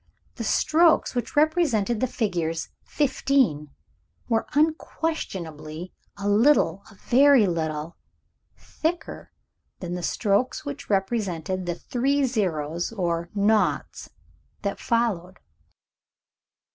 The strokes which represented the figures "15" were unquestionably a little, a very little, thicker than the strokes which represented the three zeros or "noughts" that followed.